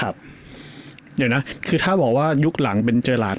เดี๋ยวนะคือถ้าบอกว่ายุคหลังเป็นเจอหลาน